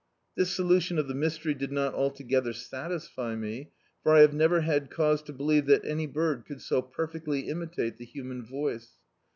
This solution of the mystery did not altogether satisfy me, for I have never had cause to believe that any bird could so perfectly imitate the human voice.